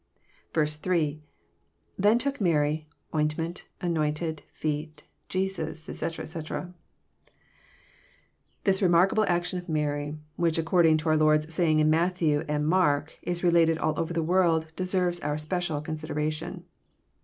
8. — [Then took Mary..,ointment...anointed...feet...Jesus9 etc.<, etc] This remarkable action of Mary, which, according to our Lord's saying in Matthew and Mark, is related all over the world, de serves our special consideration.